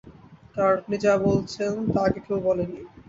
কারণ আপনি যা বলছেন, তা আগে কেউ বলে নি।